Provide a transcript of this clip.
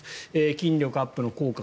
筋力アップの効果